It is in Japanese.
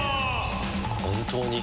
本当に。